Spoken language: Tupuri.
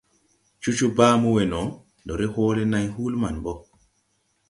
Cocoo baa mo we no, ndo re hoole nãy huulí maŋ ɓo.